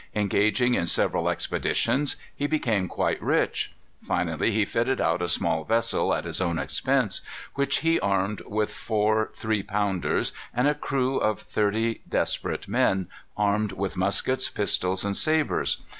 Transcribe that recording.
Engaging in several expeditions, he became quite rich. Finally he fitted out a small vessel, at his own expense, which he armed with four three pounders, and a crew of thirty desperate men, armed with muskets, pistols, and sabres.